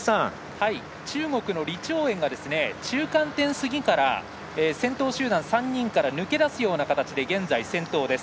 中国の李朝燕が中間点過ぎから先頭集団から抜け出す形で現在、先頭です。